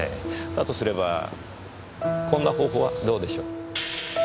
だとすればこんな方法はどうでしょう。